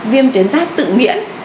viêm tuyến giáp tự miễn